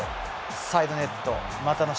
サイドネット、股の下